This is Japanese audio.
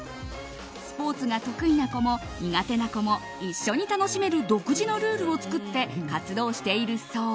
スポーツが得意な子も苦手な子も一緒に楽しめる独自のルールを作って活動しているそう。